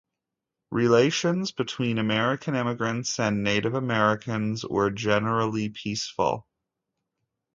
Relations between American Immigrants and Native Americans were generally peaceful.